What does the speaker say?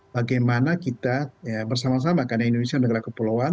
bagaimana kita bersama sama karena indonesia negara kepulauan